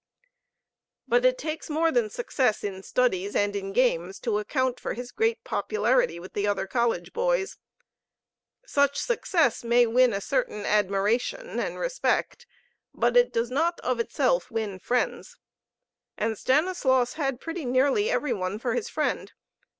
But it takes more than success in studies and in games to account for his great popularity with the other college boys. Such success may win a certain admiration and respect, but it does not of itself win friends. And Stanislaus had pretty nearly every one for his friend.